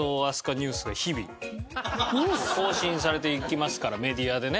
ニュースが日々更新されていきますからメディアでね。